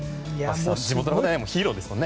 地元のヒーローですもんね。